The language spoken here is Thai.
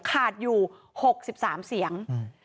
คาดอยู่๖สิบสามเสียง